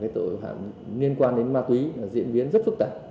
tội phạm liên quan đến ma túy diễn biến rất phức tạp